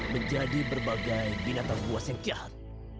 menjadi berbagai binatang buas yang jahat